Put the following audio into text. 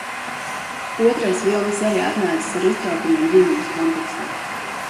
Otrais vilnis arī atnācis ar uztraukumiem ģimenes kontekstā.